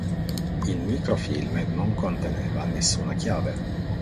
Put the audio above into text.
Il microfilm non conteneva nessuna chiave.